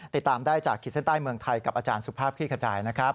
ติดตามได้จากขีดเส้นใต้เมืองไทยกับอาจารย์สุภาพคลี่ขจายนะครับ